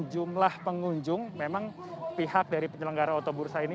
jumlah pengunjung memang pihak dari penyelenggara otobursa ini